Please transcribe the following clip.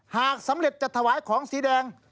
หากสำเร็จจะถวายของสีแดง